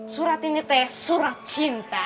surat ini teh surat cinta